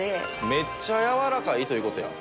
めっちゃやわらかいという事や。